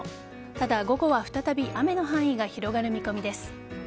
ただ、午後は再び雨の範囲が広がる見込みです。